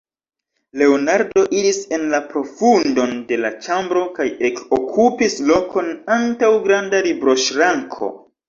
Leonardo iris en la profundon de la ĉambro kaj ekokupis lokon antaŭ granda libroŝranko.